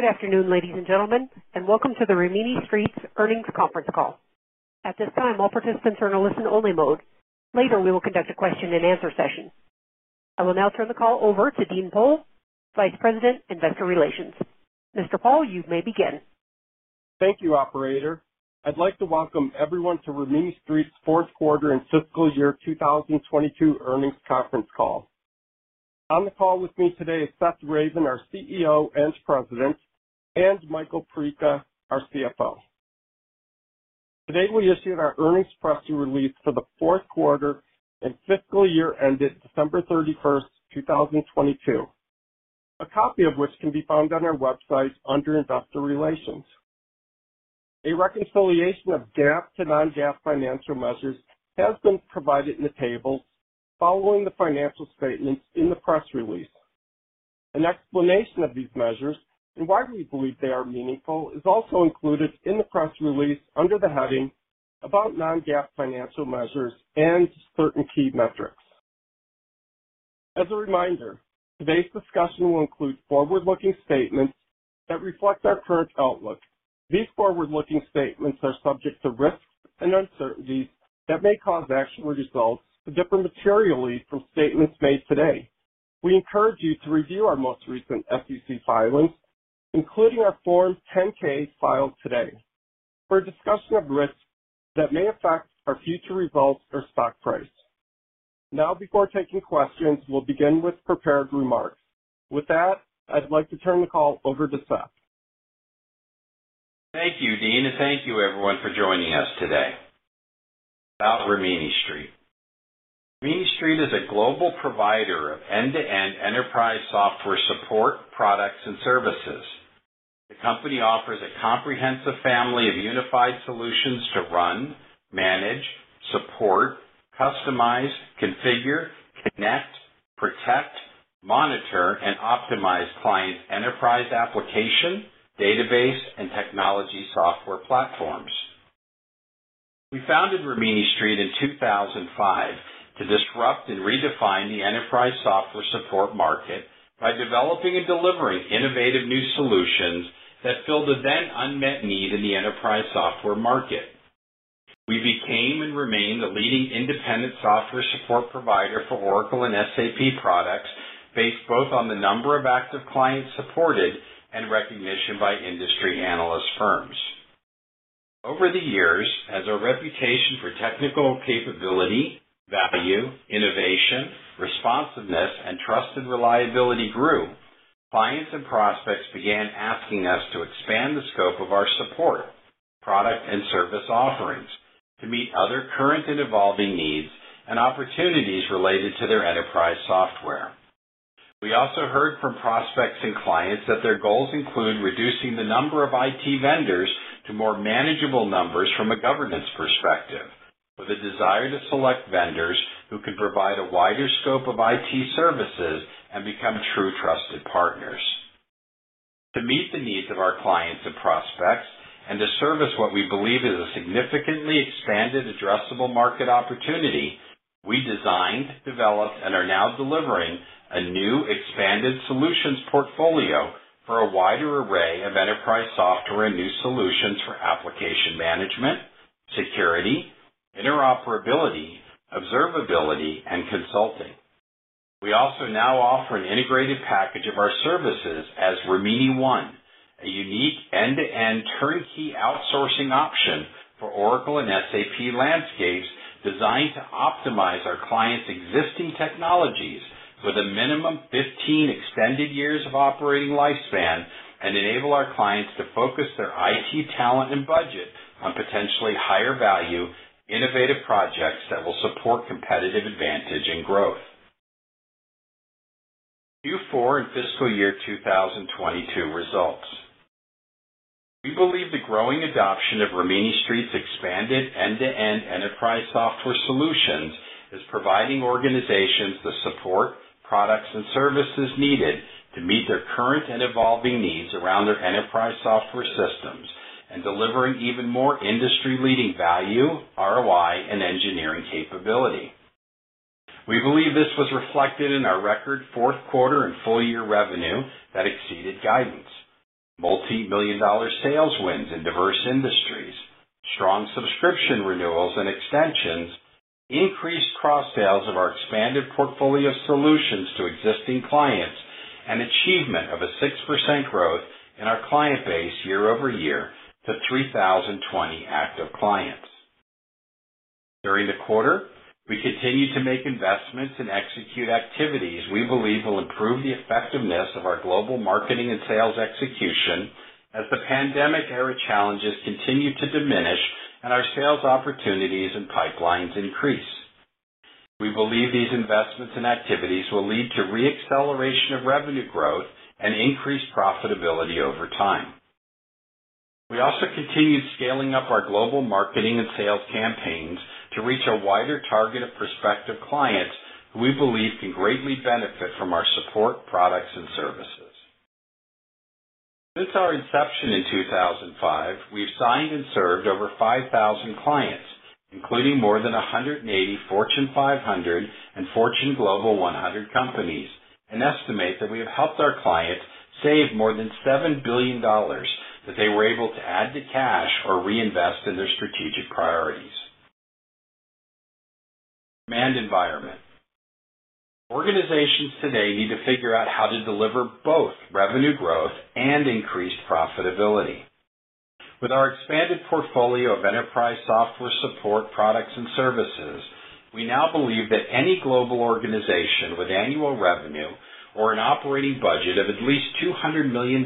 Good afternoon, ladies and gentlemen, and Welcome to the Rimini Street's Earnings Conference Call. At this time, all participants are in a listen only mode. Later, we will conduct a question and answer session. I will now turn the call over to Dean Pohl, Vice President, Investor Relations. Mr. Pohl, you may begin. Thank you, Operator. I'd like to welcome everyone to Rimini Street's Fourth Quarter and Fiscal Year 2022 Earnings Conference Call. On the call with me today is Seth Ravin, our CEO and President, and Michael Perica, our CFO. Today, we issued our earnings press release for the fourth quarter and fiscal year ended December 31st, 2022. A copy of which can be found on our website under Investor Relations. A reconciliation of GAAP to non-GAAP financial measures has been provided in the table following the financial statements in the press release. An explanation of these measures and why we believe they are meaningful is also included in the press release under the heading About Non-GAAP Financial Measures and Certain Key Metrics. As a reminder, today's discussion will include forward-looking statements that reflect our current outlook. These forward-looking statements are subject to risks and uncertainties that may cause actual results to differ materially from statements made today. We encourage you to review our most recent SEC filings, including our Form 10-K filed today, for a discussion of risks that may affect our future results or stock price. Now, before taking questions, we'll begin with prepared remarks. With that, I'd like to turn the call over to Seth. Thank you, Dean. Thank you everyone for joining us today. About Rimini Street. Rimini Street is a global provider of end-to-end enterprise software support, products, and services. The company offers a comprehensive family of unified solutions to run, manage, support, customize, configure, connect, protect, monitor, and optimize clients' enterprise application, database, and technology software platforms. We founded Rimini Street in 2005 to disrupt and redefine the enterprise software support market by developing and delivering innovative new solutions that filled the then unmet need in the enterprise software market. We became and remain the leading independent software support provider for Oracle and SAP products based both on the number of active clients supported and recognition by industry analyst firms. Over the years, as our reputation for technical capability, value, innovation, responsiveness, and trust and reliability grew, clients and prospects began asking us to expand the scope of our support, product, and service offerings to meet other current and evolving needs and opportunities related to their enterprise software. We also heard from prospects and clients that their goals include reducing the number of IT vendors to more manageable numbers from a governance perspective, with a desire to select vendors who can provide a wider scope of IT services and become true trusted partners. To meet the needs of our clients and prospects, and to service what we believe is a significantly expanded addressable market opportunity, we designed, developed, and are now delivering a new expanded solutions portfolio for a wider array of enterprise software and new solutions for application management, security, interoperability, observability, and consulting. We also now offer an integrated package of our services as Rimini ONE, a unique end-to-end turnkey outsourcing option for Oracle and SAP landscapes designed to optimize our clients existing technologies with a minimum 15 extended years of operating lifespan and enable our clients to focus their IT talent and budget on potentially higher value, innovative projects that will support competitive advantage and growth. Q4 and fiscal year 2022 results. We believe the growing adoption of Rimini Street's expanded end-to-end enterprise software solutions is providing organizations the support, products, and services needed to meet their current and evolving needs around their enterprise software systems and delivering even more industry-leading value, ROI, and engineering capability. We believe this was reflected in our record fourth quarter and full year revenue that exceeded guidance. Multi-million dollar sales wins in diverse industries, strong subscription renewals and extensions, increased cross sales of our expanded portfolio solutions to existing clients, and achievement of a 6% growth in our client base year-over-year to 3,020 active clients. During the quarter, we continued to make investments and execute activities we believe will improve the effectiveness of our global marketing and sales execution as the pandemic era challenges continue to diminish and our sales opportunities and pipelines increase. We believe these investments and activities will lead to re-acceleration of revenue growth and increased profitability over time. We also continued scaling up our global marketing and sales campaigns to reach a wider target of prospective clients who we believe can greatly benefit from our support, products, and services. Since our inception in 2005, we've signed and served over 5,000 clients. Including more than 180 Fortune 500, and Fortune Global 100 companies, and estimate that we have helped our clients save more than $7 billion that they were able to add to cash or reinvest in their strategic priorities. Demand environment, organizations today need to figure out how to deliver both revenue growth and increased profitability. With our expanded portfolio of enterprise software support products and services, we now believe that any global organization with annual revenue or an operating budget of at least $200 million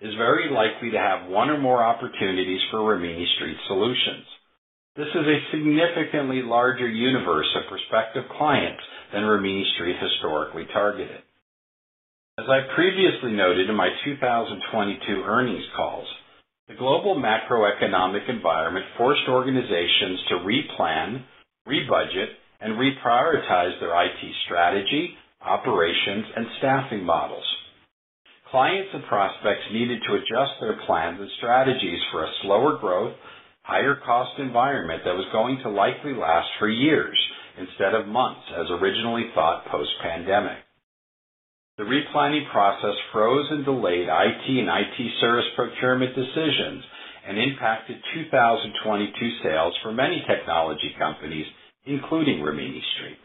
is very likely to have one or more opportunities for Rimini Street solutions. This is a significantly larger universe of prospective clients than Rimini Street historically targeted. As I previously noted in my 2022 earnings calls, the global macroeconomic environment forced organizations to replan, rebudget, and reprioritize their IT strategy, operations, and staffing models. Clients and prospects needed to adjust their plans and strategies for a slower growth, higher cost environment that was going to likely last for years instead of months, as originally thought post-pandemic. The replanning process froze and delayed IT and IT service procurement decisions and impacted 2022 sales for many technology companies, including Rimini Street.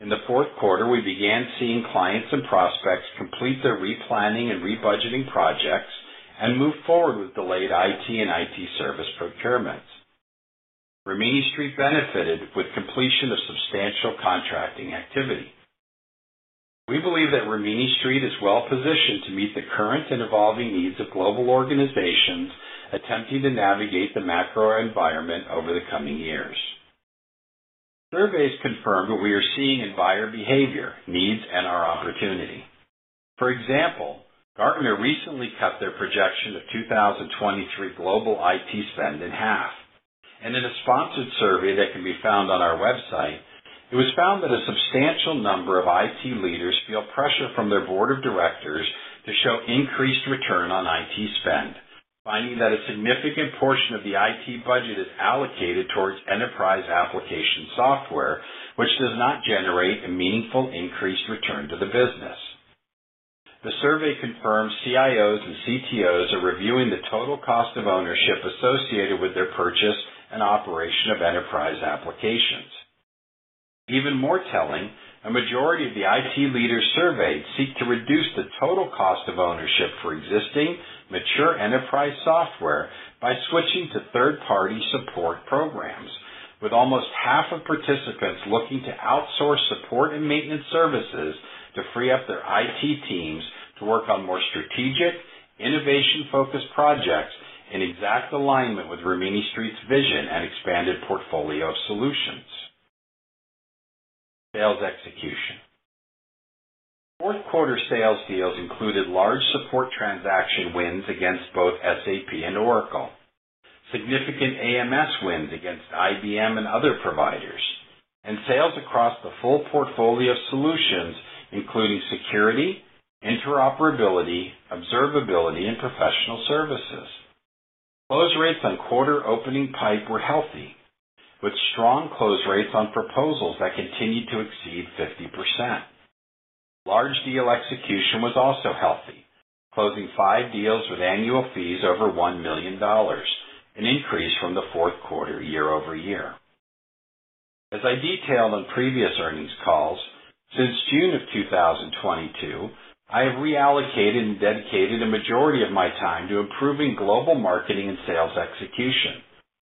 In the fourth quarter, we began seeing clients and prospects complete their replanning and rebudgeting projects and move forward with delayed IT and IT service procurements. Rimini Street benefited with completion of substantial contracting activity. We believe that Rimini Street is well positioned to meet the current and evolving needs of global organizations attempting to navigate the macro environment over the coming years. Surveys confirm what we are seeing in buyer behavior, needs, and our opportunity. For example, Gartner recently cut their projection of 2023 global IT spend in half. In a sponsored survey that can be found on our website, it was found that a substantial number of IT leaders feel pressure from their board of directors to show increased return on IT spend, finding that a significant portion of the IT budget is allocated towards enterprise application software, which does not generate a meaningful increased return to the business. The survey confirms CIOs and CTOs are reviewing the total cost of ownership associated with their purchase and operation of enterprise applications. Even more telling, a majority of the IT leaders surveyed seek to reduce the total cost of ownership for existing mature enterprise software by switching to third-party support programs, with almost half of participants looking to outsource support and maintenance services to free up their IT teams to work on more strategic, innovation-focused projects in exact alignment with Rimini Street's vision and expanded portfolio of solutions. Sales execution. Fourth quarter sales deals included large support transaction wins against both SAP and Oracle, significant AMS wins against IBM and other providers, and sales across the full portfolio of solutions, including security, interoperability, observability, and professional services. Close rates on quarter opening pipe were healthy, with strong close rates on proposals that continued to exceed 50%. Large deal execution was also healthy, closing five deals with annual fees over $1 million, an increase from the fourth quarter year-over-year. As I detailed on previous earnings calls, since June of 2022, I have reallocated and dedicated a majority of my time to improving global marketing and sales execution,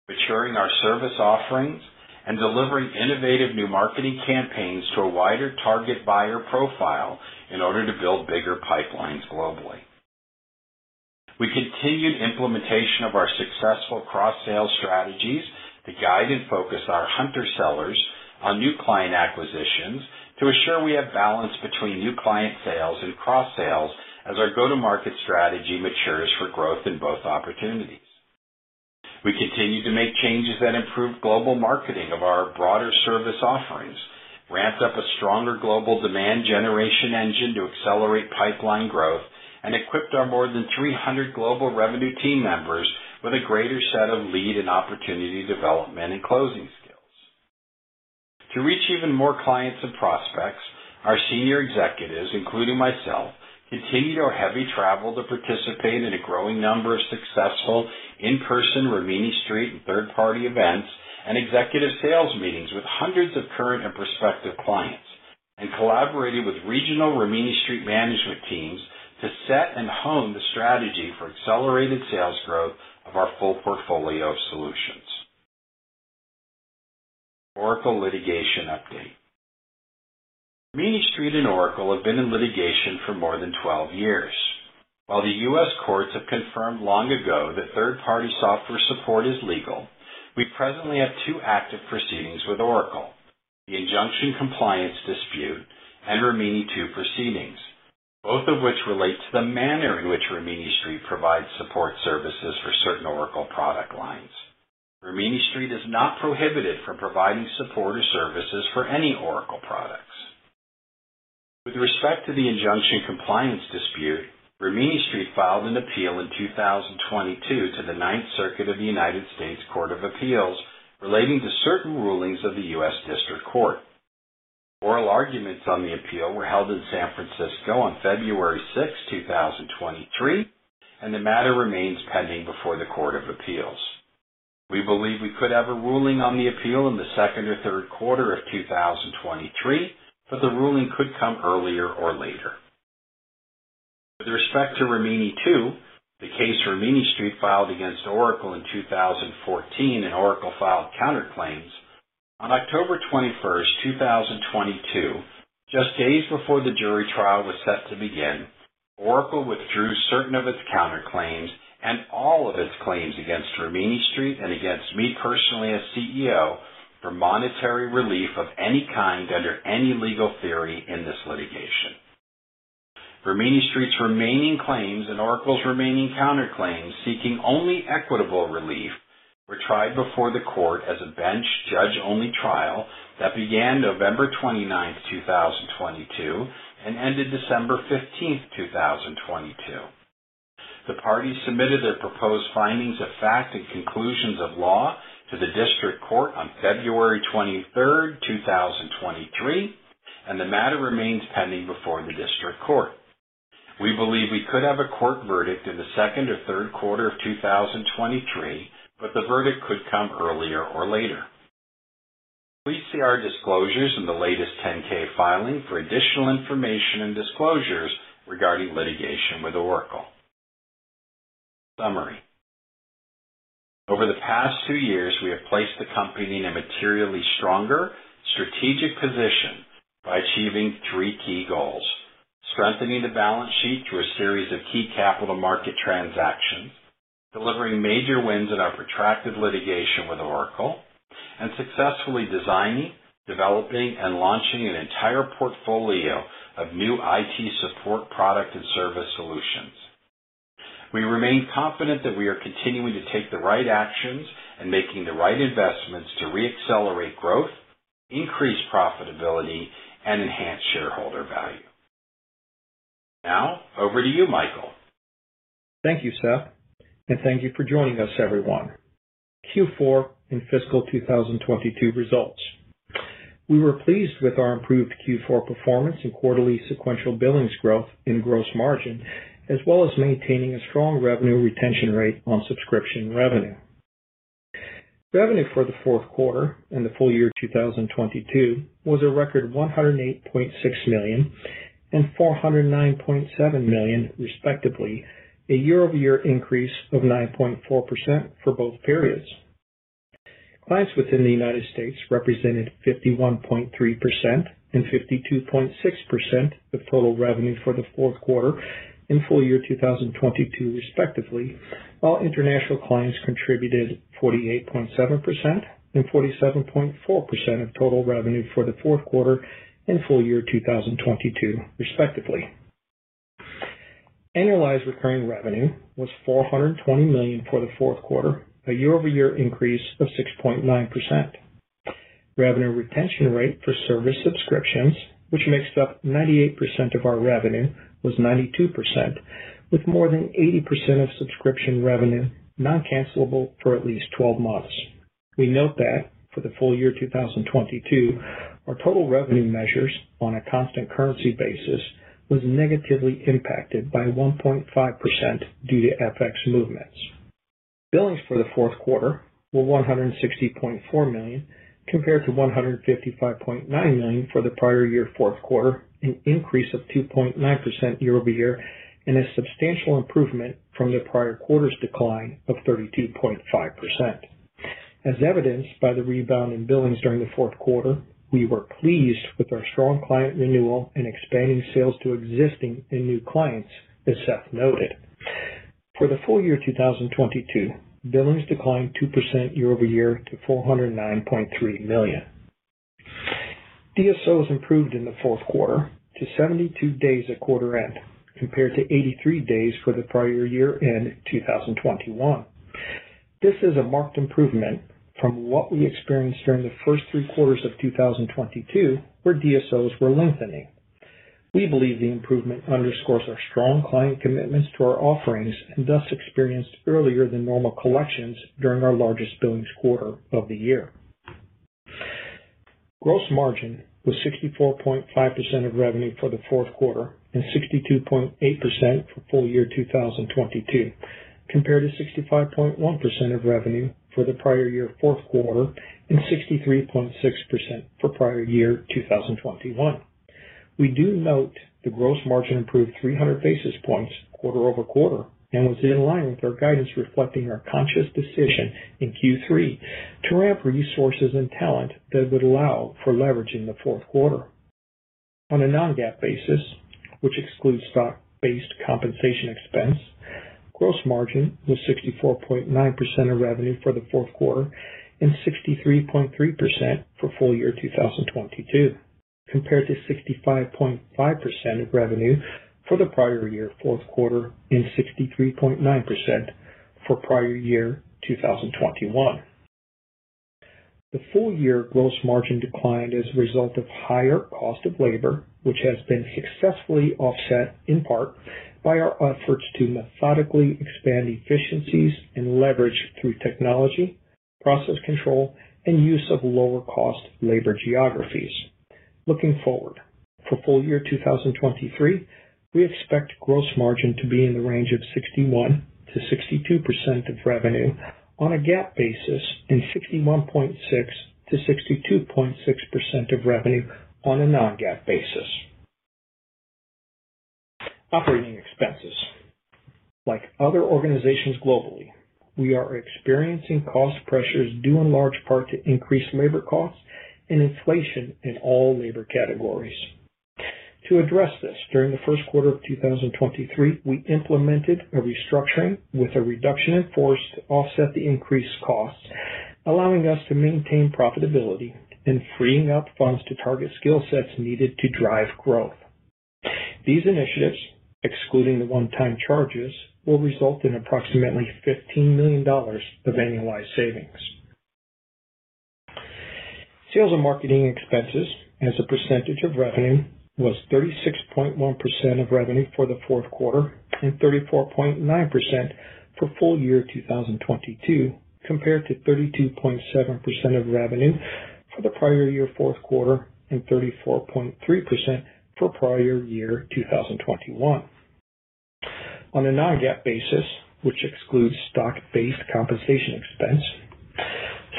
maturing our service offerings, and delivering innovative new marketing campaigns to a wider target buyer profile in order to build bigger pipelines globally. We continued implementation of our successful cross-sale strategies to guide and focus our hunter sellers on new client acquisitions to assure we have balance between new client sales and cross-sales as our go-to-market strategy matures for growth in both opportunities. We continued to make changes that improve global marketing of our broader service offerings, ramped up a stronger global demand generation engine to accelerate pipeline growth, and equipped our more than 300 global revenue team members with a greater set of lead and opportunity development and closing skills. To reach even more clients and prospects, our senior executives, including myself, continued our heavy travel to participate in a growing number of successful in-person Rimini Street and third-party events and executive sales meetings with hundreds of current and prospective clients, and collaborated with regional Rimini Street management teams to set and hone the strategy for accelerated sales growth of our full portfolio of solutions. Oracle litigation update, Rimini Street and Oracle have been in litigation for more than 12 years. While the U.S. courts have confirmed long ago that third-party software support is legal, we presently have two active proceedings with Oracle. The injunction compliance dispute and Rimini II proceedings, both of which relate to the manner in which Rimini Street provides support services for certain Oracle product lines. Rimini Street is not prohibited from providing support or services for any Oracle products. With respect to the injunction compliance dispute, Rimini Street filed an appeal in 2022 to the Ninth Circuit of the United States Court of Appeals relating to certain rulings of the U.S. District Court. Oral arguments on the appeal were held in San Francisco on February 6, 2023, and the matter remains pending before the Court of Appeals. We believe we could have a ruling on the appeal in the second or third quarter of 2023, but the ruling could come earlier or later. With respect to Rimini II, the case Rimini Street filed against Oracle in 2014, and Oracle filed counterclaims. On October 21st, 2022, just days before the jury trial was set to begin, Oracle withdrew certain of its counterclaims and all of its claims against Rimini Street and against me personally as CEO for monetary relief of any kind under any legal theory in this litigation. Rimini Street's remaining claims and Oracle's remaining counterclaims, seeking only equitable relief, were tried before the court as a bench judge-only trial that began November 29, 2022, and ended December 15th, 2022. The parties submitted their proposed findings of fact and conclusions of law to the District Court on February 23rd, 2023, and the matter remains pending before the District Court. We believe we could have a court verdict in the second or third quarter of 2023, but the verdict could come earlier or later. Please see our disclosures in the latest 10-K filing for additional information and disclosures regarding litigation with Oracle. Summary. Over the past two years, we have placed the company in a materially stronger strategic position by achieving three key goals: strengthening the balance sheet through a series of key capital market transactions, delivering major wins in our protracted litigation with Oracle, and successfully designing, developing, and launching an entire portfolio of new IT support product and service solutions. We remain confident that we are continuing to take the right actions and making the right investments to reaccelerate growth, increase profitability, and enhance shareholder value. Now over to you, Michael. Thank you, Seth, and thank you for joining us, everyone. Q4 and fiscal 2022 results. We were pleased with our improved Q4 performance in quarterly sequential billings growth in gross margin, as well as maintaining a strong Revenue Retention Rate on subscription revenue. Revenue for the fourth quarter and the full year 2022 was a record $108.6 million and $409.7 million, respectively, a year-over-year increase of 9.4% for both periods. Clients within the United States represented 51.3% and 52.6% of total revenue for the fourth quarter and full year 2022, respectively, while international clients contributed 48.7% and 47.4% of total revenue for the fourth quarter and full year 2022, respectively. Annualized Recurring Revenue was $420 million for the fourth quarter, a year-over-year increase of 6.9%. Revenue Retention Rate for service subscriptions, which makes up 98% of our revenue, was 92%, with more than 80% of subscription revenue non-cancellable for at least 12 months. We note that for the full year 2022, our total revenue measures on a constant currency basis was negatively impacted by 1.5% due to FX movements. Billings for the fourth quarter were $160.4 million, compared to $155.9 million for the prior year fourth quarter, an increase of 2.9% year-over-year and a substantial improvement from the prior quarter's decline of 32.5%. As evidenced by the rebound in billings during the fourth quarter. We were pleased with our strong client renewal and expanding sales to existing and new clients, as Seth noted. For the full year 2022, billings declined 2% year-over-year to $409.3 million. DSOs improved in the fourth quarter to 72 days at quarter end, compared to 83 days for the prior year-end 2021. This is a marked improvement from what we experienced during the first three quarters of 2022, where DSOs were lengthening. We believe the improvement underscores our strong client commitments to our offerings and thus experienced earlier than normal collections during our largest billings quarter of the year. Gross margin was 64.5% of revenue for the fourth quarter and 62.8% for full year 2022, compared to 65.1% of revenue for the prior year fourth quarter and 63.6% for prior year 2021. We do note the gross margin improved 300 basis points quarter over quarter and was in line with our guidance, reflecting our conscious decision in Q3 to ramp resources and talent that would allow for leverage in the fourth quarter. On a non-GAAP basis, which excludes stock-based compensation expense, gross margin was 64.9% of revenue for the fourth quarter and 63.3% for full year 2022, compared to 65.5% of revenue for the prior year fourth quarter and 63.9% for prior year 2021. The full year gross margin declined as a result of higher cost of labor, which has been successfully offset in part by our efforts to methodically expand efficiencies and leverage through technology, process control and use of lower cost labor geographies. Looking forward, for full year 2023, we expect gross margin to be in the range of 61% to 62% of revenue on a GAAP basis, and 61.6% to 62.6% of revenue on a non-GAAP basis. Operating expenses, like other organizations globally, we are experiencing cost pressures due in large part to increased labor costs and inflation in all labor categories. To address this, during the first quarter of 2023, we implemented a restructuring with a reduction in force to offset the increased costs, allowing us to maintain profitability and freeing up funds to target skill sets needed to drive growth. These initiatives, excluding the one-time charges, will result in approximately $15 million of annualized savings. Sales and marketing expenses as a percentage of revenue was 36.1% of revenue for the fourth quarter and 34.9% for full year 2022, compared to 32.7% of revenue for the prior year fourth quarter and 34.3% for prior year 2021. On a non-GAAP basis, which excludes stock-based compensation expense,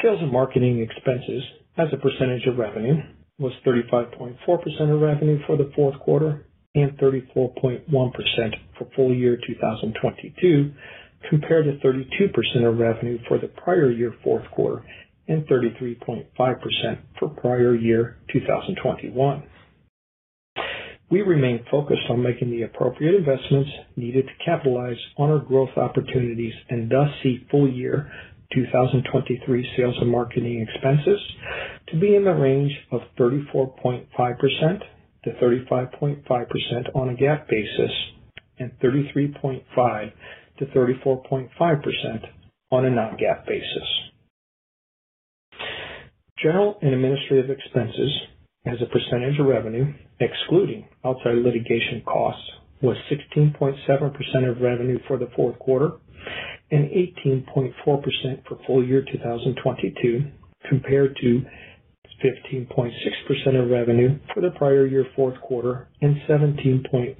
sales and marketing expenses as a percentage of revenue was 35.4% of revenue for the fourth quarter and 34.1% for full year 2022, compared to 32% of revenue for the prior year fourth quarter and 33.5% for prior year 2021. We remain focused on making the appropriate investments needed to capitalize on our growth opportunities and thus see full year 2023 sales and marketing expenses to be in the range of 34.5% to 35.5% on a GAAP basis, and 33.5% to 34.5% on a non-GAAP basis. General and administrative expenses as a percentage of revenue excluding outside litigation costs, was 16.7% of revenue for the fourth quarter and 18.4% for full year 2022, compared to 15.6% of revenue for the prior year fourth quarter and 17.1%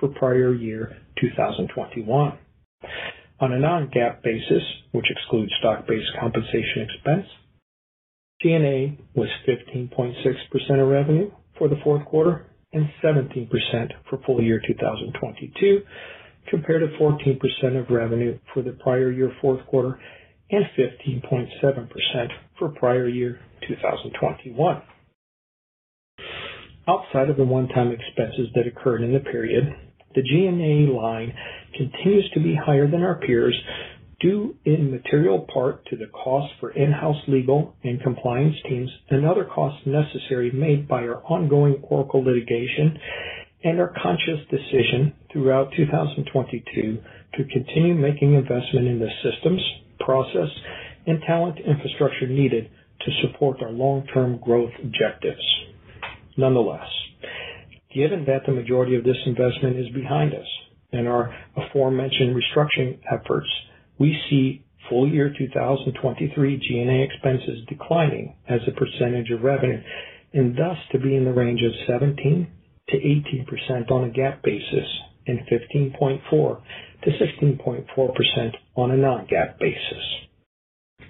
for prior year 2021. On a non-GAAP basis, which excludes stock-based compensation expense, G&A was 15.6% of revenue for the fourth quarter and 17% for full year 2022, compared to 14% of revenue for the prior year fourth quarter and 15.7% for prior year 2021. Outside of the one-time expenses that occurred in the period, the G&A line continues to be higher than our peers due in material part to the cost for in-house legal and compliance teams and other costs necessary made by our ongoing Oracle litigation and our conscious decision throughout 2022 to continue making investment in the systems, process and talent infrastructure needed to support our long term growth objectives. Nonetheless, given that the majority of this investment is behind us and our aforementioned restructuring efforts, we see full year 2023 G&A expenses declining as a percentage of revenue, and thus to be in the range of 17% to 18% on a GAAP basis and 15.4% to 16.4% on a non-GAAP basis.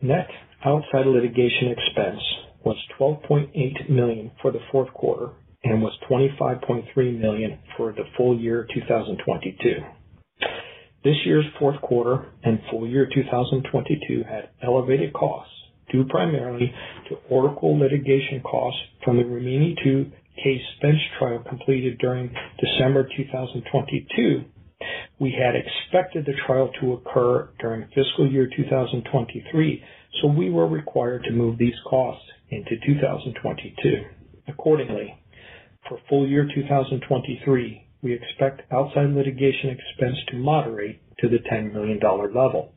Net outside litigation expense was $12.8 million for the fourth quarter and was $25.3 million for the full year 2022. This year's fourth quarter and full year 2022 had elevated costs due primarily to Oracle litigation costs from the Rimini II case bench trial completed during December 2022. We had expected the trial to occur during fiscal year 2023, so we were required to move these costs into 2022. Accordingly, for full year 2023, we expect outside litigation expense to moderate to the $10 million level.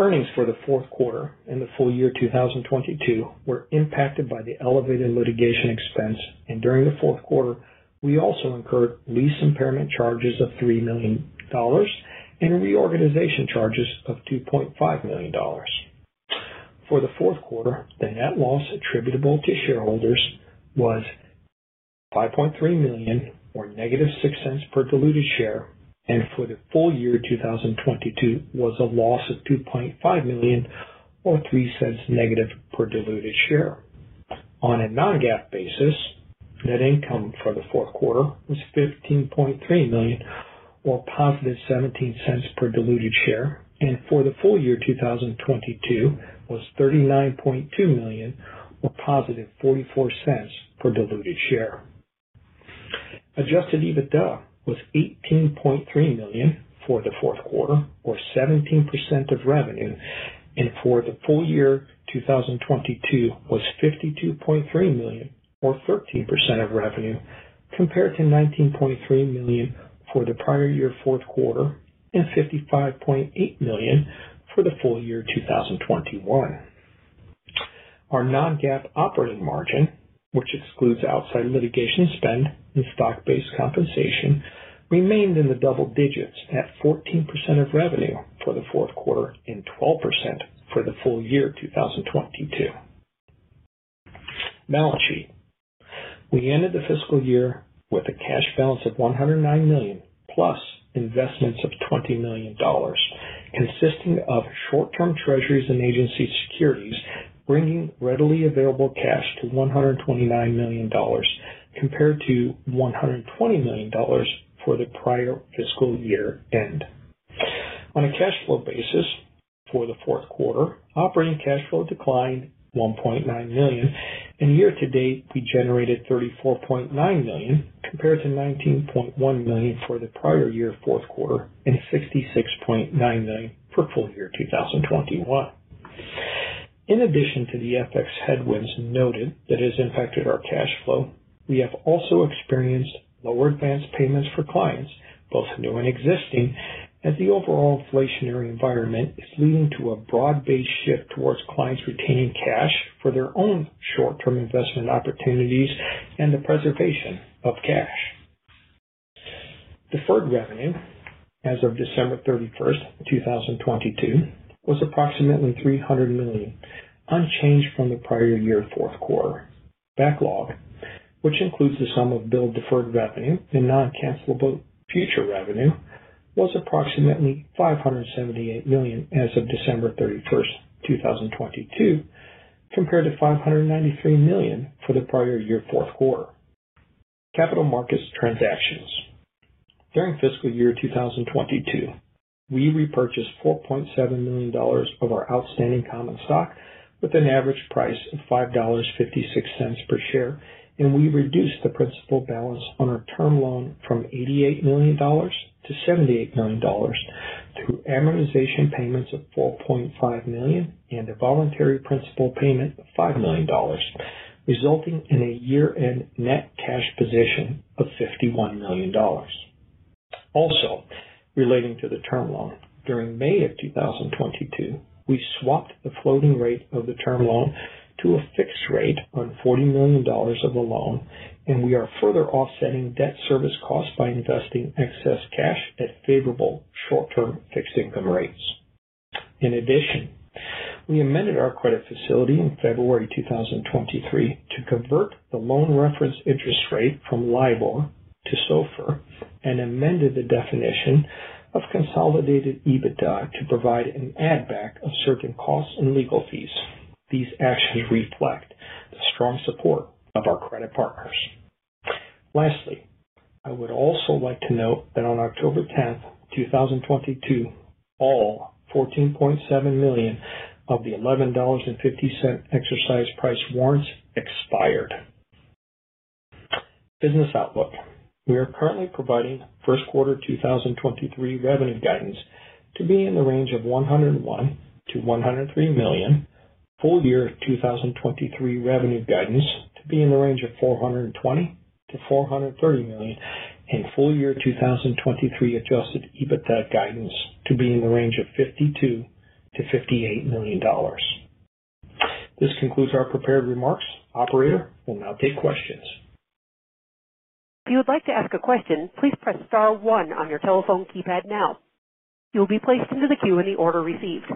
Earnings for the fourth quarter and the full year 2022 were impacted by the elevated litigation expense. During the fourth quarter, we also incurred lease impairment charges of $3 million and reorganization charges of $2.5 million. For the fourth quarter, the net loss attributable to shareholders was $5.3 million, or -$0.06 per diluted share, and for the full year 2022 was a loss of $2.5 million or -$0.03 per diluted share. On a non-GAAP basis, net income for the fourth quarter was $15.3 million, or +$0.17 per diluted share, and for the full year 2022 was $39.2 million, or +$0.44 per diluted share. Adjusted EBITDA was $18.3 million for the fourth quarter, or 17% of revenue, and for the full year 2022 was $52.3 million, or 13% of revenue. Compared to $19.3 million for the prior year fourth quarter and $55.8 million for the full year 2021. Our non-GAAP operating margin, which excludes outside litigation spend and stock-based compensation, remained in the double digits at 14% of revenue for the fourth quarter and 12% for the full year 2022. Balance sheet. We ended the fiscal year with a cash balance of $109 million, plus investments of $20 million, consisting of short-term Treasuries and agency securities, bringing readily available cash to $129 million, compared to $120 million for the prior fiscal year end. On a cash flow basis for the fourth quarter, operating cash flow declined $1.9 million. Year to date, we generated $34.9 million, compared to $19.1 million for the prior year fourth quarter and $66.9 million for full year 2021. In addition to the FX headwinds noted that has impacted our cash flow, we have also experienced lower advanced payments for clients, both new and existing, as the overall inflationary environment is leading to a broad-based shift towards clients retaining cash for their own short-term investment opportunities and the preservation of cash. Deferred revenue as of December 31st, 2022, was approximately $300 million, unchanged from the prior year fourth quarter. Backlog, which includes the sum of billed deferred revenue and non-cancellable future revenue, was approximately $578 million as of December 31, 2022, compared to $593 million for the prior year fourth quarter. Capital markets transactions. During fiscal year 2022, we repurchased $4.7 million of our outstanding common stock with an average price of $5.56 per share, and we reduced the principal balance on our term loan from $88 million to $78 million through amortization payments of $4.5 million and a voluntary principal payment of $5 million, resulting in a year-end net cash position of $51 million. Also relating to the term loan, during May 2022, we swapped the floating rate of the term loan to a fixed rate on $40 million of the loan, and we are further offsetting debt service costs by investing excess cash at favorable short-term fixed income rates. In addition, we amended our credit facility in February 2023 to convert the loan reference interest rate from LIBOR to SOFR and amended the definition of Consolidated EBITDA to provide an add back of certain costs and legal fees. These actions reflect the strong support of our credit partners. Lastly, I would also like to note that on October 10th, 2022, all 14.7 million of the $11.50 exercise price warrants expired. Business outlook, we are currently providing first quarter 2023 revenue guidance to be in the range of $101 million-$103 million, full year 2023 revenue guidance to be in the range of $420 million-$430 million, and full year 2023 adjusted EBITDA guidance to be in the range of $52 million-$58 million. This concludes our prepared remarks. Operator will now take questions. If you would like to ask a question, please press star one on your telephone keypad now. You will be placed into the queue in the order received.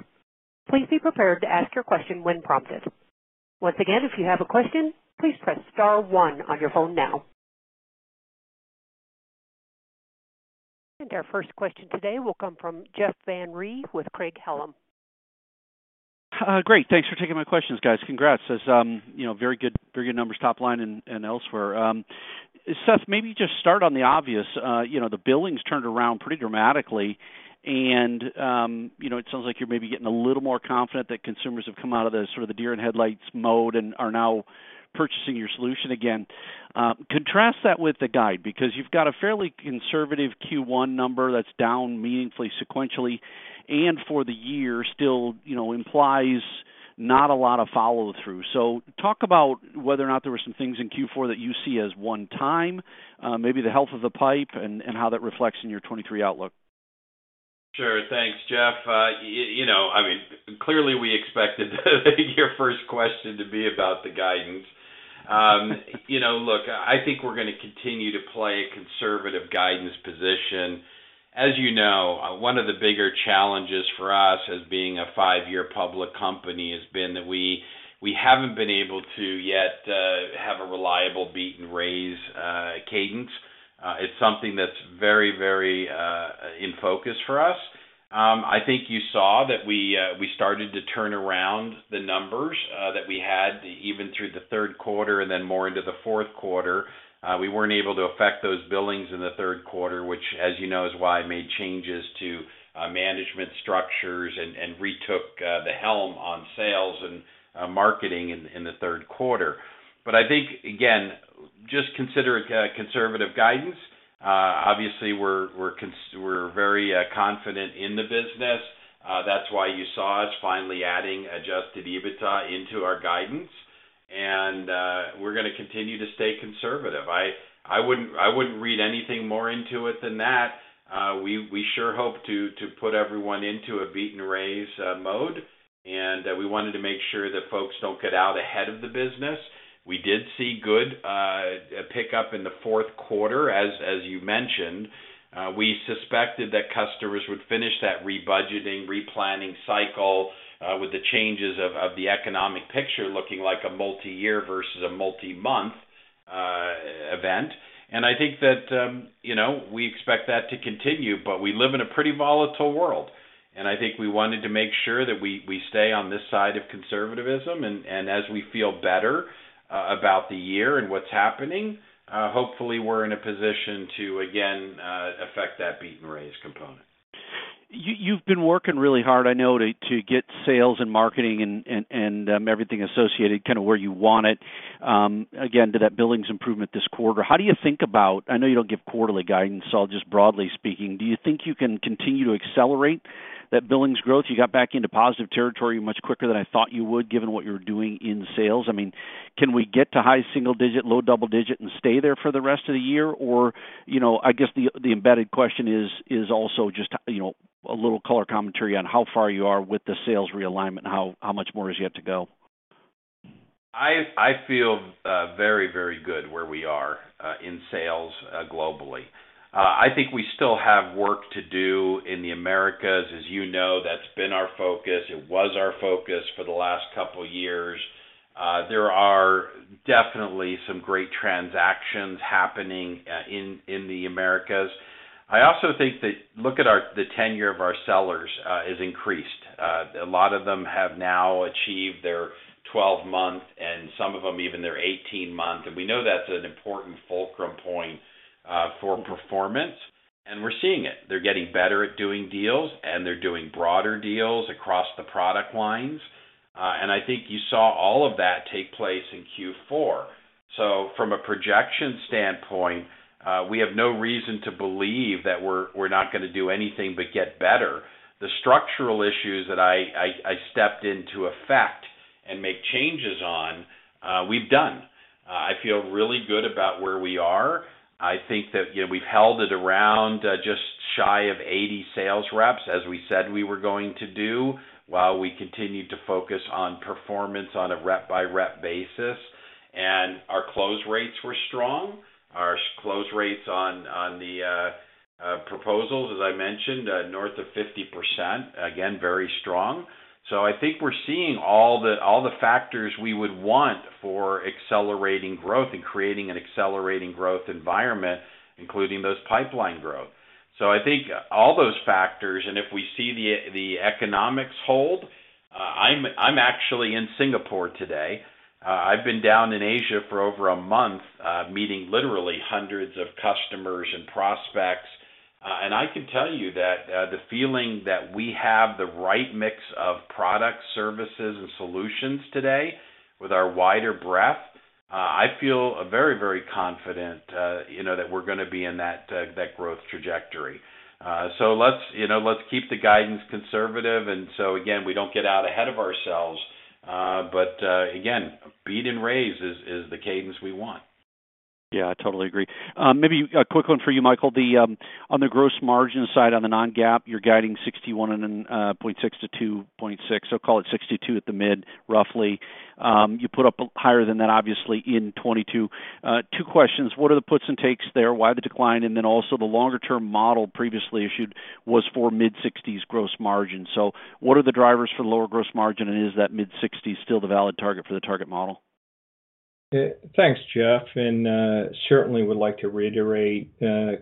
Please be prepared to ask your question when prompted. Once again, if you have a question, please press star one on your phone now. Our first question today will come from Jeff Van Rhee with Craig-Hallum. Great. Thanks for taking my questions, guys. Congrats. As, you know, very good, very good numbers, top line and elsewhere. Seth, maybe just start on the obvious. You know, the billings turned around pretty dramatically and, you know, it sounds like you're maybe getting a little more confident that consumers have come out of the sort of the deer in headlights mode and are now purchasing your solution again. Contrast that with the guide, because you've got a fairly conservative Q1 number that's down meaningfully sequentially, and for the year still, you know, implies not a lot of follow through. Talk about whether or not there were some things in Q4 that you see as one time, maybe the health of the pipe and how that reflects in your 23 outlook. Sure. Thanks, Jeff. you know, I mean, clearly we expected your first question to be about the guidance. you know, look, I think we're gonna continue to play a conservative guidance position. As you know, one of the bigger challenges for us as being a five-year public company has been that we haven't been able to yet, have a reliable beat and raise cadence. It's something that's very, very in focus for us. I think you saw that we started to turn around the numbers that we had even through the third quarter and then more into the fourth quarter. We weren't able to affect those billings in the third quarter, which, as you know, is why I made changes to management structures and retook the helm on sales and marketing in the third quarter. I think, again, just consider it conservative guidance. Obviously, we're very confident in the business. That's why you saw us finally adding adjusted EBITDA into our guidance. We're gonna continue to stay conservative. I wouldn't read anything more into it than that. We sure hope to put everyone into a beat and raise mode, and we wanted to make sure that folks don't get out ahead of the business. We did see good pick up in the fourth quarter, as you mentioned. We suspected that customers would finish that rebudgeting, replanning cycle with the changes of the economic picture looking like a multi-year versus a multi-month event. I think that, you know, we expect that to continue, but we live in a pretty volatile world, and I think we wanted to make sure that we stay on this side of conservativism. As we feel better about the year and what's happening, hopefully we're in a position to again affect that beat and raise component. You've been working really hard, I know, to get sales and marketing and everything associated kind of where you want it, again, to that billings improvement this quarter. How do you think about, I know you don't give quarterly guidance, so I'll just broadly speaking, do you think you can continue to accelerate that billings growth? You got back into positive territory much quicker than I thought you would, given what you were doing in sales. I mean, can we get to high single-digit, low double-digit, and stay there for the rest of the year? You know, I guess the embedded question is also just, you know, a little color commentary on how far you are with the sales realignment. How much more is yet to go? I feel very good where we are in sales globally. I think we still have work to do in the Americas. As you know, that's been our focus. It was our focus for the last couple years. There are definitely some great transactions happening in the Americas. I also think that the tenure of our sellers has increased. A lot of them have now achieved their 12-month, and some of them even their 18-month. We know that's an important fulcrum point for performance, and we're seeing it. They're getting better at doing deals, and they're doing broader deals across the product lines. I think you saw all of that take place in Q4. From a projection standpoint, we have no reason to believe that we're not gonna do anything but get better. The structural issues that I stepped into effect and make changes on, we've done. I feel really good about where we are. I think that, you know, we've held it around just shy of 80 sales reps, as we said we were going to do, while we continued to focus on performance on a rep-by-rep basis. Our close rates were strong. Our close rates on the proposals, as I mentioned, north of 50%, again, very strong. I think we're seeing all the factors we would want for accelerating growth and creating an accelerating growth environment, including those pipeline growth. I think all those factors, and if we see the economics hold... I'm actually in Singapore today. I've been down in Asia for over a month, meeting literally hundreds of customers and prospects. I can tell you that, the feeling that we have the right mix of products, services, and solutions today with our wider breadth, I feel very, very confident, you know, that we're gonna be in that growth trajectory. Let's, you know, let's keep the guidance conservative and so again, we don't get out ahead of ourselves. Again, beat and raise is the cadence we want. Yeah, I totally agree. maybe a quick one for you, Michael. The, on the gross margin side, on the non-GAAP, you're guiding 61% and then, 0.6%-2.6%. call it 62% at the mid, roughly. you put up higher than that, obviously, in 2022. 2 questions. What are the puts and takes there? Why the decline? Also the longer-term model previously issued was for mid-60s gross margin. What are the drivers for the lower gross margin, and is that mid-60 still the valid target for the target model? Thanks, Jeff, certainly would like to reiterate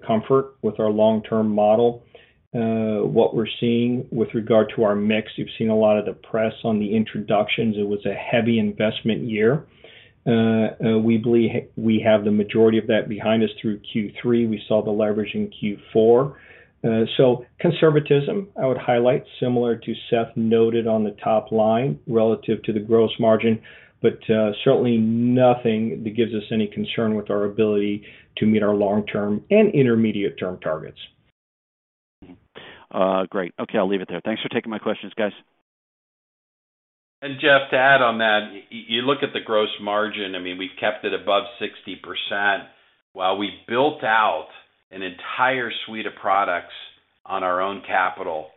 comfort with our long-term model. What we're seeing with regard to our mix, you've seen a lot of the press on the introductions. It was a heavy investment year. We believe we have the majority of that behind us through Q3. We saw the leverage in Q4. Conservatism, I would highlight, similar to Seth noted on the top line relative to the gross margin, but certainly nothing that gives us any concern with our ability to meet our long-term and intermediate term targets. Great. Okay, I'll leave it there. Thanks for taking my questions, guys. Jeff, to add on that, you look at the gross margin, I mean, we've kept it above 60% while we built out an entire suite of products on our own capital.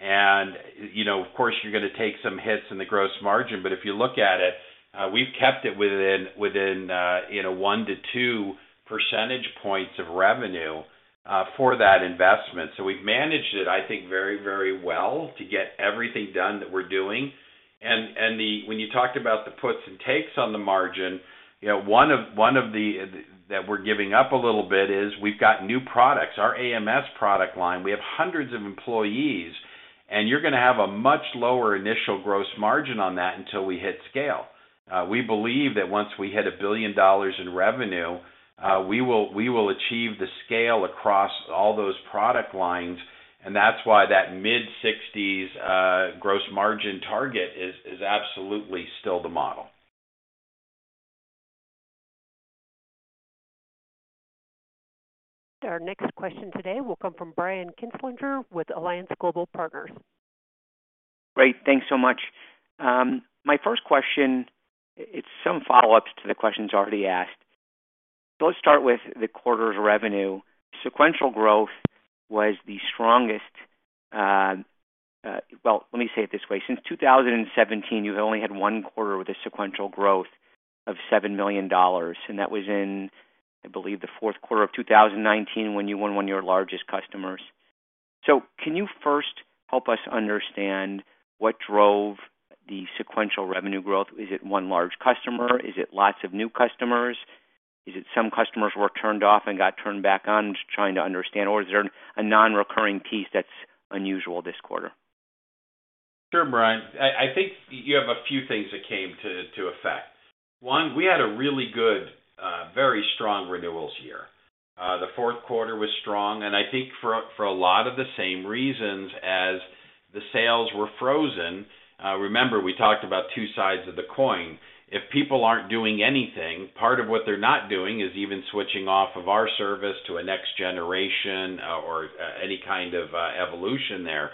You know, of course, you're gonna take some hits in the gross margin, but if you look at it, we've kept it within, you know, one to two percentage points of revenue for that investment. We've managed it, I think, very, very well to get everything done that we're doing. When you talked about the puts and takes on the margin, you know, one of the that we're giving up a little bit is we've got new products. Our AMS product line, we have hundreds of employees, and you're gonna have a much lower initial gross margin on that until we hit scale. We believe that once we hit $1 billion in revenue, we will achieve the scale across all those product lines, and that's why that mid-60s% gross margin target is absolutely still the model. Our next question today will come from Brian Kinstlinger with Alliance Global Partners. Great. Thanks so much. My first question, it's some follow-ups to the questions already asked. Let's start with the quarter's revenue. Sequential growth was the strongest. Well, let me say it this way. Since 2017, you've only had one quarter with a sequential growth of $7 million, and that was in, I believe, the fourth quarter of 2019 when you won one of your largest customers. Can you first help us understand what drove the sequential revenue growth? Is it one large customer? Is it lots of new customers? Is it some customers were turned off and got turned back on? Just trying to understand. Is there a non-recurring piece that's unusual this quarter? Sure, Brian. I think you have a few things that came to effect. One, we had a really good, very strong renewals year. The fourth quarter was strong, and I think for a lot of the same reasons as the sales were frozen. Remember, we talked about two sides of the coin. If people aren't doing anything, part of what they're not doing is even switching off of our service to a next generation, or any kind of evolution there.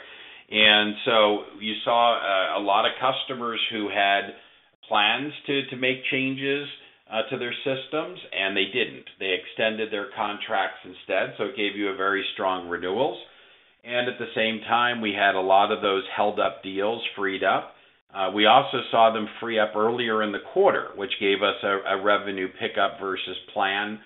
You saw a lot of customers who had plans to make changes to their systems, and they didn't. They extended their contracts instead, so it gave you a very strong renewals. At the same time, we had a lot of those held-up deals freed up. We also saw them free up earlier in the quarter, which gave us a revenue pickup versus plan.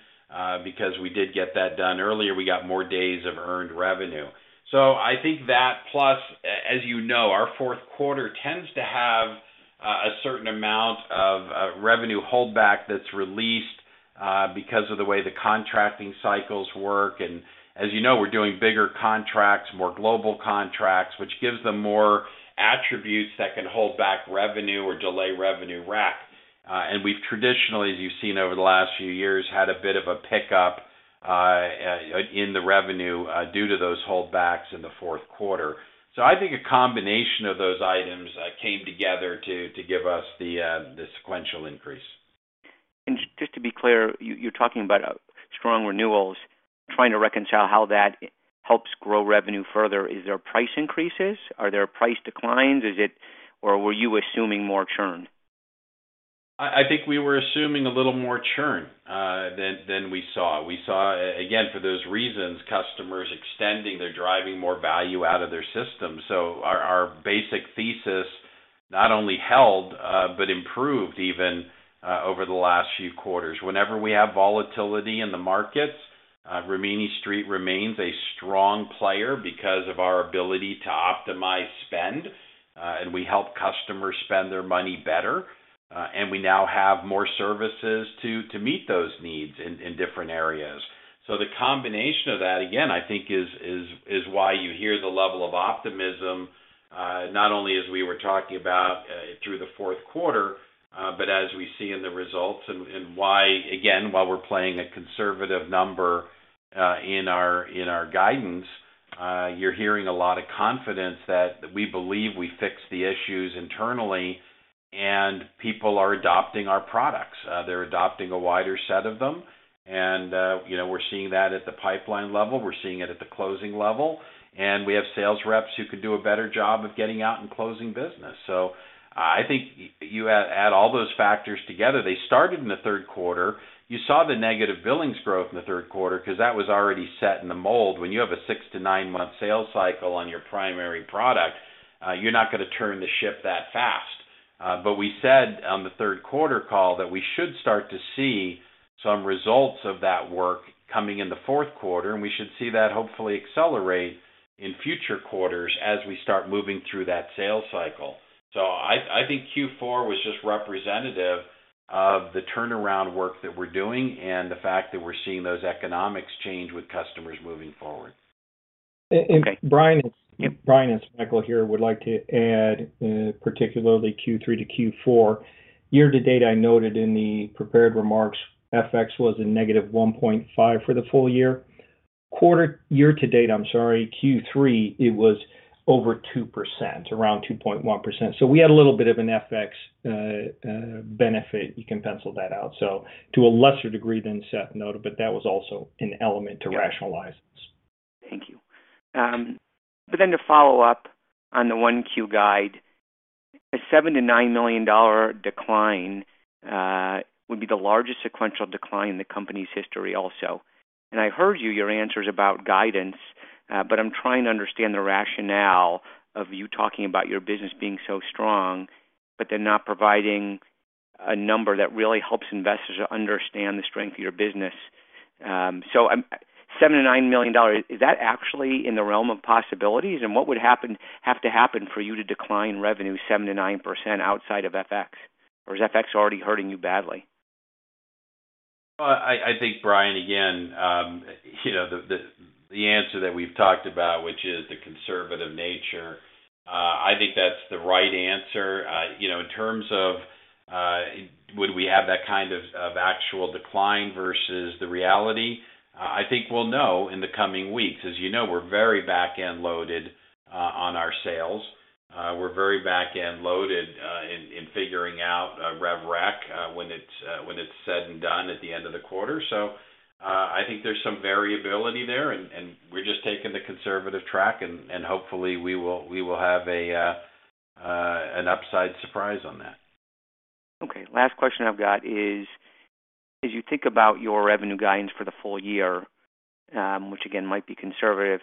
Because we did get that done earlier, we got more days of earned revenue. I think that plus, as you know, our fourth quarter tends to have a certain amount of revenue holdback that's released because of the way the contracting cycles work. As you know, we're doing bigger contracts, more global contracts, which gives them more attributes that can hold back revenue or delay revenue rec. We've traditionally, as you've seen over the last few years, had a bit of a pickup in the revenue due to those holdbacks in the fourth quarter. I think a combination of those items came together to give us the sequential increase. Just to be clear, you're talking about strong renewals. Trying to reconcile how that helps grow revenue further. Is there price increases? Are there price declines? Or were you assuming more churn? I think we were assuming a little more churn than we saw. We saw again, for those reasons, customers extending. They're driving more value out of their system. Our basic thesis not only held, but improved even over the last few quarters. Whenever we have volatility in the markets, Rimini Street remains a strong player because of our ability to optimize spend, and we help customers spend their money better, and we now have more services to meet those needs in different areas. The combination of that, again, I think, is why you hear the level of optimism, not only as we were talking about, through the fourth quarter, but as we see in the results and why, again, while we're playing a conservative number, in our guidance, you're hearing a lot of confidence that we believe we fixed the issues internally and people are adopting our products. They're adopting a wider set of them. You know, we're seeing that at the pipeline level. We're seeing it at the closing level. We have sales reps who could do a better job of getting out and closing business. I think you add all those factors together. They started in the third quarter. You saw the negative billings growth in the third quarter 'cause that was already set in the mold. When you have a six-nine month sales cycle on your primary product, you're not gonna turn the ship that fast. We said on the third quarter call that we should start to see some results of that work coming in the fourth quarter, and we should see that hopefully accelerate in future quarters as we start moving through that sales cycle. I think Q4 was just representative of the turnaround work that we're doing and the fact that we're seeing those economics change with customers moving forward. Okay. Brian. Yep. Brian, it's Michael here, would like to add, particularly Q3 to Q4. Year to date, I noted in the prepared remarks, FX was a -1.5% for the full year. year to date, I'm sorry, Q3, it was over 2%, around 2.1%. We had a little bit of an FX benefit. You can pencil that out. To a lesser degree than Seth noted, but that was also an element to rationalize this. Thank you. To follow up on the 1Q guide, a $7 million-$9 million decline would be the largest sequential decline in the company's history also. I heard you, your answers about guidance, but I'm trying to understand the rationale of you talking about your business being so strong, but then not providing a number that really helps investors understand the strength of your business. $7 million-$9 million, is that actually in the realm of possibilities? What would have to happen for you to decline revenue 7% to 9% outside of FX? Or is FX already hurting you badly? Well, I think, Brian, again, you know, the, the answer that we've talked about, which is the conservative nature, I think that's the right answer. You know, in terms of, would we have that kind of actual decline versus the reality, I think we'll know in the coming weeks. As you know, we're very back-end loaded, on our sales. We're very back-end loaded, in figuring out, rev rec, when it's, when it's said and done at the end of the quarter. I think there's some variability there, and we're just taking the conservative track and hopefully we will, we will have a, an upside surprise on that. Last question I've got is, as you think about your revenue guidance for the full year, which again, might be conservative,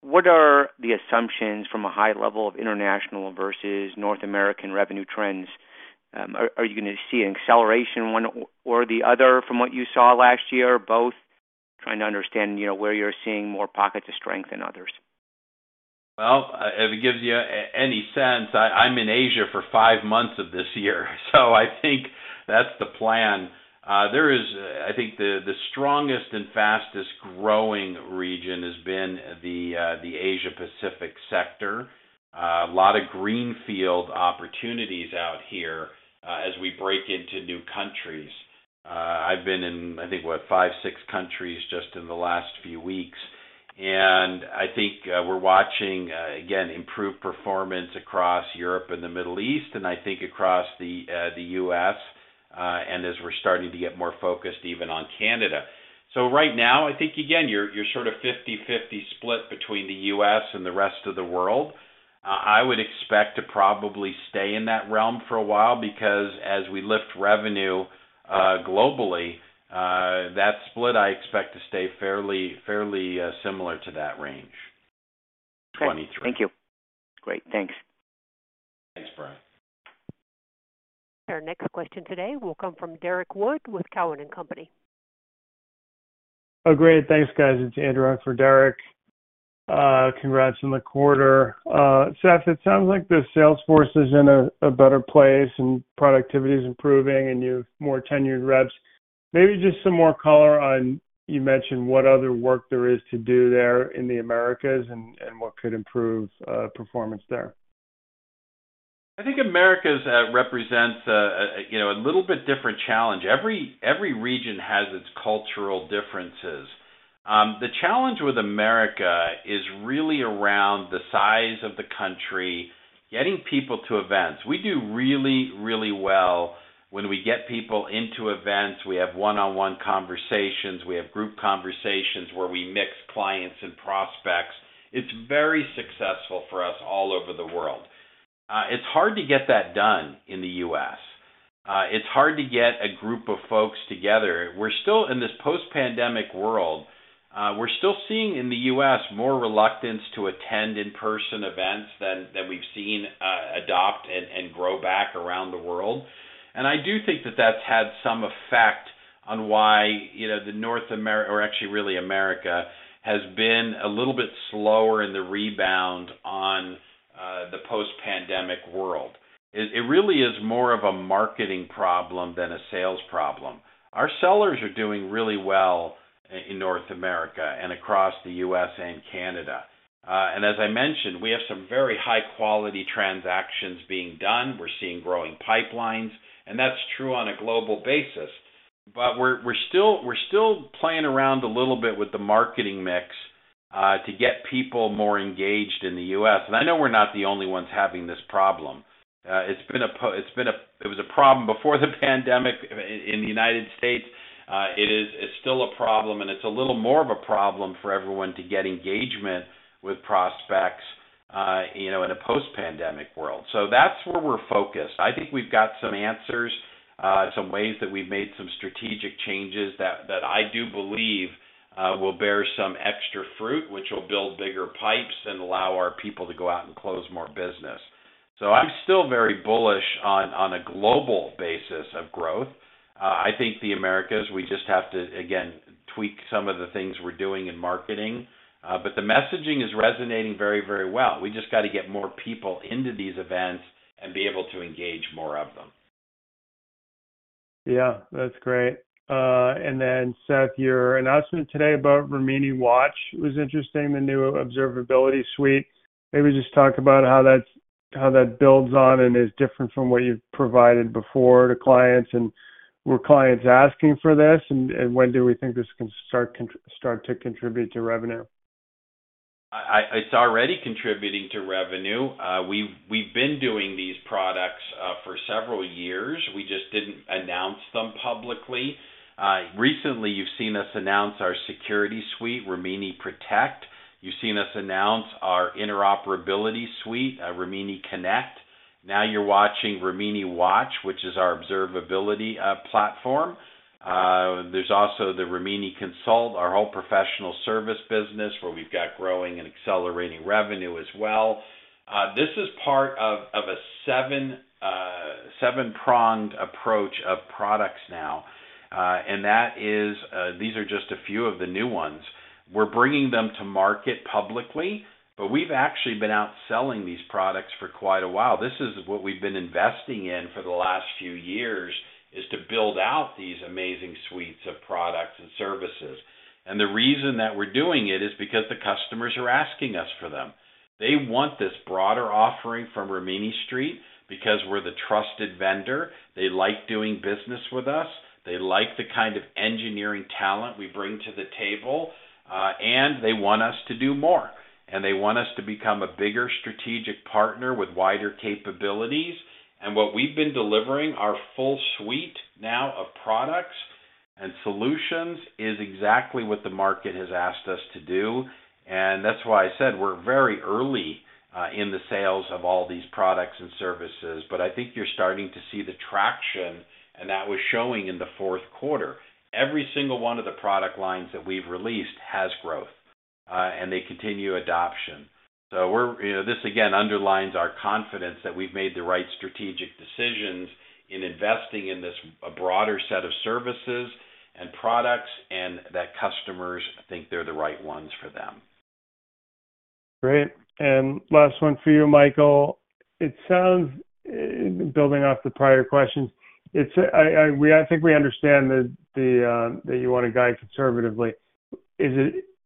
what are the assumptions from a high level of international versus North American revenue trends? Are you gonna see an acceleration one or the other from what you saw last year, both? Trying to understand, you know, where you're seeing more pockets of strength than others. Well, if it gives you any sense, I'm in Asia for five months of this year. I think that's the plan. I think the strongest and fastest-growing region has been the Asia Pacific sector. A lot of greenfield opportunities out here, as we break into new countries. I've been in, I think, what? five, six countries just in the last few weeks. I think, we're watching, again, improved performance across Europe and the Middle East, and I think across the U.S., and as we're starting to get more focused even on Canada. Right now, I think, again, you're sort of 50/50 split between the U.S. and the rest of the world. I would expect to probably stay in that realm for a while because as we lift revenue, globally, that split, I expect to stay fairly similar to that range 2023. Thank you. Great. Thanks. Thanks, Brian. Our next question today will come from Derrick Wood with Cowen and Company. Oh, great. Thanks, guys. It's Andrew. I'm for Derrick. Congrats on the quarter. Seth, it sounds like the sales force is in a better place and productivity is improving and you have more tenured reps. Maybe just some more color on, you mentioned what other work there is to do there in the Americas and what could improve performance there. I think Americas represents, you know, a little bit different challenge. Every region has its cultural differences. The challenge with Americas is really around the size of the country, getting people to events. We do really, really well when we get people into events. We have one-on-one conversations, we have group conversations where we mix clients and prospects. It's very successful for us all over the world. It's hard to get that done in the U.S. It's hard to get a group of folks together. We're still in this post-pandemic world. We're still seeing in the U.S. more reluctance to attend in-person events than we've seen adopt and grow back around the world. I do think that that's had some effect on why, you know, the America has been a little bit slower in the rebound on the post-pandemic world. It really is more of a marketing problem than a sales problem. Our sellers are doing really well in North America and across the U.S. and Canada. As I mentioned, we have some very high-quality transactions being done. We're seeing growing pipelines, and that's true on a global basis. We're still playing around a little bit with the marketing mix to get people more engaged in the U.S. I know we're not the only ones having this problem. It was a problem before the pandemic in the United States. It's still a problem, and it's a little more of a problem for everyone to get engagement with prospects, you know, in a post-pandemic world. That's where we're focused. I think we've got some answers, some ways that we've made some strategic changes that I do believe, will bear some extra fruit, which will build bigger pipes and allow our people to go out and close more business. I'm still very bullish on a global basis of growth. I think the Americas, we just have to, again, tweak some of the things we're doing in marketing. The messaging is resonating very, very well. We just got to get more people into these events and be able to engage more of them. Yeah, that's great. Seth, your announcement today about Rimini Watch was interesting, the new observability suite. Maybe just talk about how that builds on and is different from what you've provided before to clients, and were clients asking for this, and when do we think this can start to contribute to revenue? It's already contributing to revenue. We've been doing these products for several years. We just didn't announce them publicly. Recently, you've seen us announce our security suite, Rimini Protect. You've seen us announce our interoperability suite, Rimini Connect. Now you're watching Rimini Watch, which is our observability platform. There's also the Rimini Consult, our whole professional service business, where we've got growing and accelerating revenue as well. This is part of a seven-pronged approach of products now. These are just a few of the new ones. We're bringing them to market publicly, but we've actually been out selling these products for quite a while. This is what we've been investing in for the last few years, is to build out these amazing suites of products and services. The reason that we're doing it is because the customers are asking us for them. They want this broader offering from Rimini Street because we're the trusted vendor. They like doing business with us, they like the kind of engineering talent we bring to the table, and they want us to do more. They want us to become a bigger strategic partner with wider capabilities. What we've been delivering, our full suite now of products and solutions, is exactly what the market has asked us to do. That's why I said we're very early in the sales of all these products and services. I think you're starting to see the traction, and that was showing in the fourth quarter. Every single one of the product lines that we've released has growth, and they continue adoption. We're, you know, this again underlines our confidence that we've made the right strategic decisions in investing in this, a broader set of services and products and that customers think they're the right ones for them. Great. Last one for you, Michael. It sounds, in building off the prior questions, I think we understand that the that you wanna guide conservatively.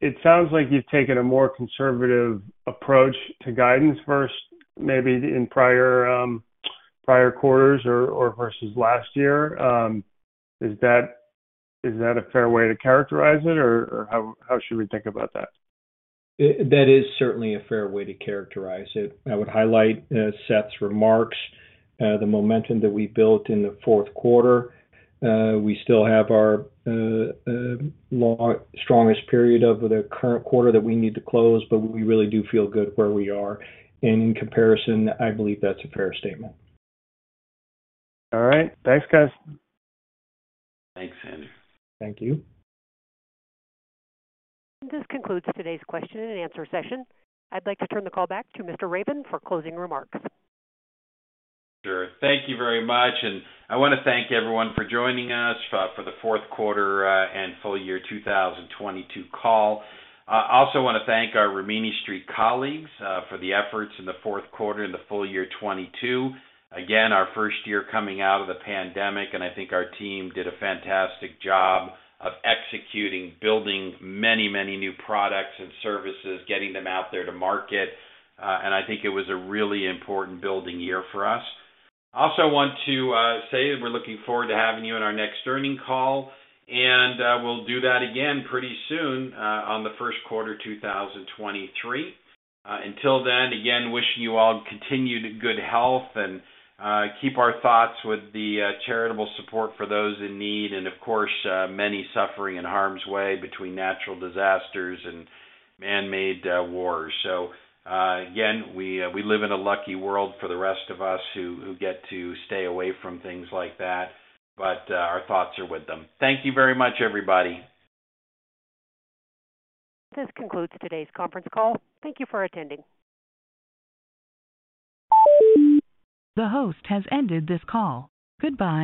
It sounds like you've taken a more conservative approach to guidance versus maybe in prior quarters or versus last year. Is that a fair way to characterize it, or how should we think about that? That is certainly a fair way to characterize it. I would highlight Seth's remarks, the momentum that we built in the fourth quarter. We still have our long strongest period of the current quarter that we need to close, but we really do feel good where we are. In comparison, I believe that's a fair statement. All right. Thanks, guys. Thanks, Andrew. Thank you. This concludes today's question and answer session. I'd like to turn the call back to Mr. Ravin for closing remarks. Sure. Thank you very much. I wanna thank everyone for joining us for the fourth quarter and full year 2022 call. I also wanna thank our Rimini Street colleagues for the efforts in the fourth quarter and the full year 2022. Again, our first year coming out of the pandemic, and I think our team did a fantastic job of executing, building many, many new products and services, getting them out there to market. I think it was a really important building year for us. Also want to say that we're looking forward to having you on our next earning call, and we'll do that again pretty soon on the first quarter 2023. Until then, again, wishing you all continued good health and, keep our thoughts with the charitable support for those in need and, of course, many suffering in harm's way between natural disasters and man-made wars. Again, we live in a lucky world for the rest of us who get to stay away from things like that, but our thoughts are with them. Thank you very much, everybody. This concludes today's conference call. Thank you for attending. The host has ended this call. Goodbye.